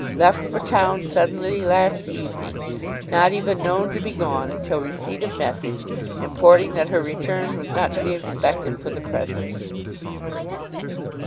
Left for town suddenly last evening. Not even known to be gone until receipt of message, importing that her return was not to be expected for the present.